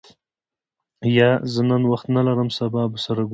یا، زه نن وخت نه لرم سبا به سره ګورو.